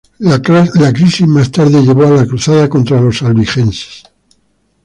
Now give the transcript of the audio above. La crisis más tarde llevó a la cruzada contra los albigenses.